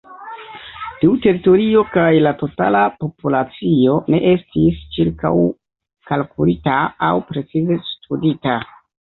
Tiu teritorio kaj la totala populacio ne estis ĉirkaŭkalkulita aŭ precize studita.